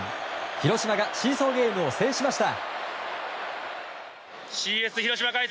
広島がシーソーゲームを制しました。